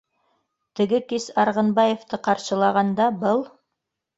Теге кис, Арғынбаевты ҡаршылағанда, был